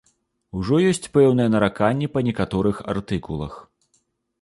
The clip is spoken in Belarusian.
Ужо ёсць пэўныя нараканні па некаторых артыкулах.